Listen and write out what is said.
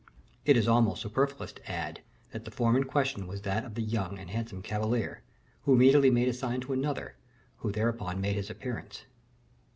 It is almost superfluous to add that the form in question was that of a young and handsome cavalier, who immediately made a sign to another, who thereupon made his appearance.